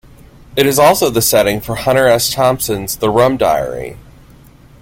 It is also the setting for Hunter S. Thompson's "The Rum Diary".